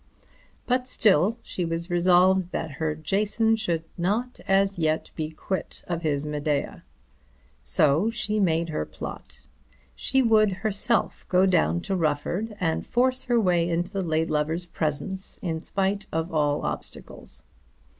But still she was resolved that her Jason should not as yet be quit of his Medea. So she made her plot. She would herself go down to Rufford and force her way into her late lover's presence in spite of all obstacles.